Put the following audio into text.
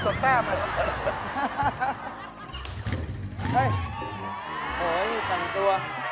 เฮ้ยจำตัว